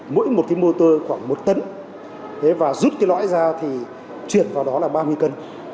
mỗi một cái mô tơ khoảng một tấn và rút cái lõi ra thì chuyển vào đó là ba mươi cân